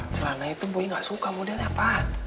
celana itu boy gak suka modelnya pa